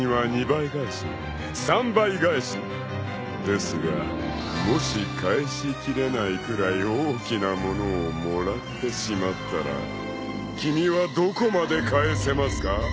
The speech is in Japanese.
［ですがもし返しきれないくらい大きなものをもらってしまったら君はどこまで返せますか？］